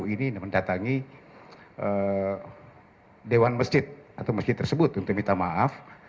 ini mendatangi dewan masjid atau masjid tersebut untuk minta maaf